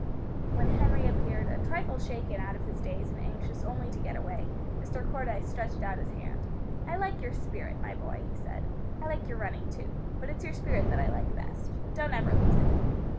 When Henry appeared, a trifle shaken out of his daze and anxious only to get away, Mr. Cordyce stretched out his hand. "I like your spirit, my boy," he said. "I like your running, too. But it's your spirit that I like best. Don't ever lose it."